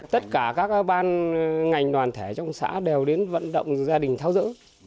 tất cả các ban ngành đoàn thể trong xã đều đến vận động gia đình tháo rỡ